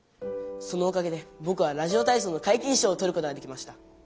そのおかげでぼくはラジオ体操の皆勤賞をとることができました。